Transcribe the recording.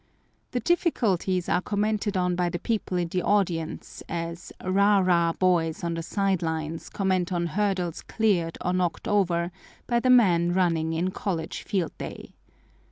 The difficulties are commented on by the people in the audience as rah rah boys on the side lines comment on hurdles cleared or knocked over by the men running in college field day.